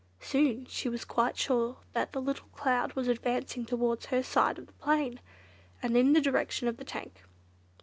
Soon she was quite sure that the little cloud was advancing towards her side of the plain, and in the direction of the tank.